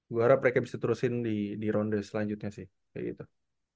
gue harap mereka bisa terusin di ronde selanjutnya sih